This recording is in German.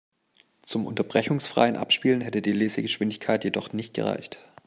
Zum unterbrechungsfreien Abspielen hätte die Lesegeschwindigkeit jedoch nicht gereicht.